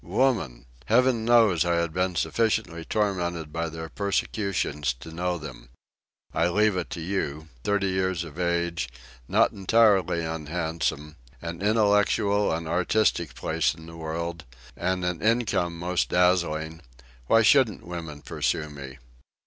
Woman! Heaven knows I had been sufficiently tormented by their persecutions to know them. I leave it to you: thirty years of age, not entirely unhandsome, an intellectual and artistic place in the world, and an income most dazzling—why shouldn't women pursue me?